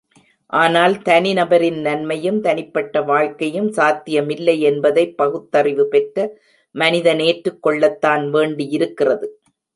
ஆனால், தனி நபரின் நன்மையும், தனிப்பட்ட வாழ்க்கையும் சாத்தியமில்லை என்பதைப் பகுத்தறிவு பெற்ற மனிதன் ஏற்றுக் கொள்ளத்தான் வேண்டியிருக்கிறது.